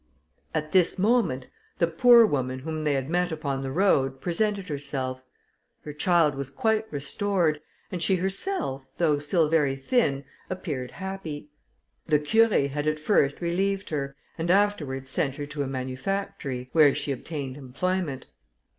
At this moment, the poor woman whom they had met upon the road presented herself. Her child was quite restored, and she herself, though still very thin, appeared happy. The Curé had at first relieved her, and afterwards sent her to a manufactory, where she obtained employment.